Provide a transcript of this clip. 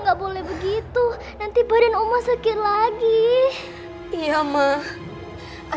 gatau tempat tinggalnya juga ada dimana